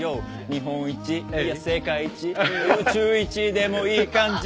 「日本一いや世界一いや宇宙一でもいい感じ」